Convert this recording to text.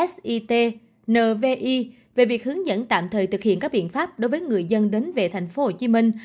bảy mươi hai s i t n v i về việc hướng dẫn tạm thời thực hiện các biện pháp đối với người dân đến về thành phố hồ chí minh